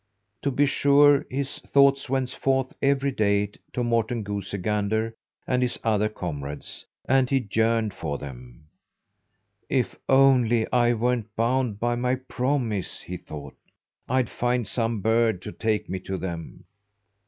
To be sure his thoughts went forth every day to Morten Goosey Gander and his other comrades, and he yearned for them. "If only I weren't bound by my promise," he thought, "I'd find some bird to take me to them!"